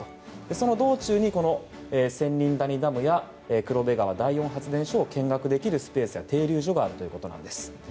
その道中に仙人谷ダムや黒部川第四発電所を見学できるスペースや停留所があるということなんです。